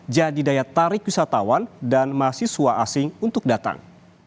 jadi daya tarik wisatawan dan mahasiswa asing untuk datang